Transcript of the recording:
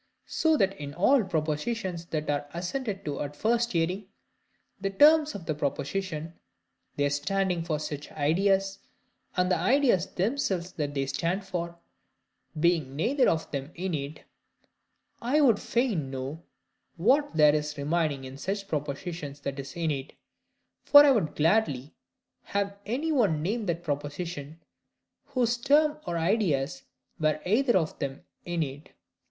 So that in all propositions that are assented to at first hearing, the terms of the proposition, their standing for such ideas, and the ideas themselves that they stand for, being neither of them innate, I would fain know what there is remaining in such propositions that is innate. For I would gladly have any one name that proposition whose terms or ideas were either of them innate.